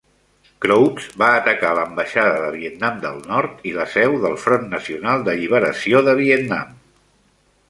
Crowds va atacar l"ambaixada de Vietnam del Nord i la seu del Front Nacional d"Alliberació de Vietnam.